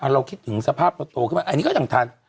เราคิดถึงสภาพเราโตขึ้นมาอันนี้ก็ยังทัน